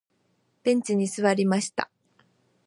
ベンチに座りました。